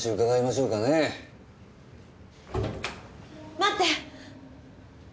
待って！